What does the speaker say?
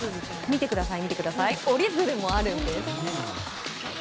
見てください折り鶴もあるんです。